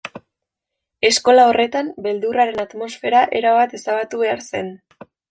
Eskola horretan beldurraren atmosfera erabat ezabatu behar zen.